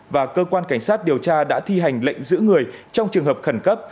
và cơ quan cảnh sát điều tra đã thi hành lệnh giữ người trong trường hợp khẩn cấp